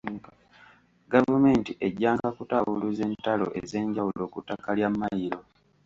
Gavumenti ejjanga kutaawuluza entalo ez’enjawulo ku ttaka lya mmayiro.